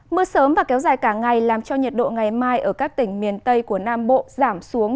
mưa sớm và kéo dài cả ngày làm cho nhiệt độ ngày mai ở các tỉnh miền tây của nam bộ giảm xuống